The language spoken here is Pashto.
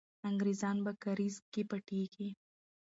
انګریزان په کارېز کې پټېږي.